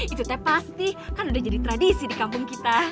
itu teh pasti kan udah jadi tradisi di kampung kita